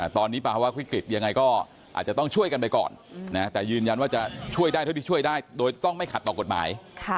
ตอนนี้ภาวะวิกฤตยังไงก็อาจจะต้องช่วยกันไปก่อนแต่ยืนยันว่าจะช่วยได้เท่าที่ช่วยได้โดยต้องไม่ขัดต่อกฎหมาย